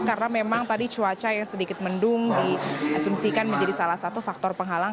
karena memang tadi cuaca yang sedikit mendung diasumsikan menjadi salah satu faktor penghalang